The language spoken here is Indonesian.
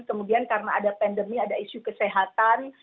kemudian karena ada pandemi ada isu kesehatan